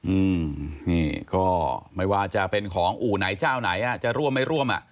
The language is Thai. อืมนี่ก็ไม่ว่าจะเป็นของอู่ไหนเจ้าไหนอ่ะจะร่วมไม่ร่วมอ่ะ